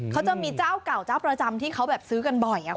เขาจะมีเจ้าเก่าเจ้าประจำที่เขาแบบซื้อกันบ่อย